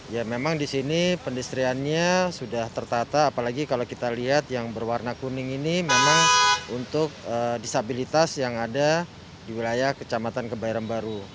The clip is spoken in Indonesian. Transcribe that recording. ya memang di sini pendistriannya sudah tertata apalagi kalau kita lihat yang berwarna kuning ini memang untuk disabilitas yang ada di wilayah kecamatan kebairan baru